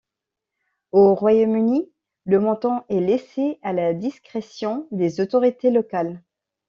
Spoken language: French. Au Royaume-Uni, le montant est laissé à la discrétion des autorités locales.